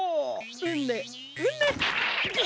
うねうね。